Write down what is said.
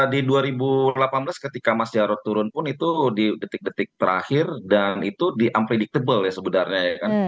di dua ribu delapan belas ketika mas jarod turun pun itu di detik detik terakhir dan itu di umpredictable ya sebenarnya ya kan